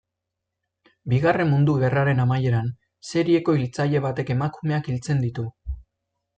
Bigarren Mundu Gerraren amaieran, serieko hiltzaile batek emakumeak hiltzen ditu.